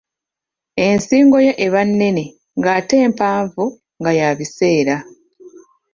Ensingo ye eba nnene ng'ate mpanvu nga ya biseera.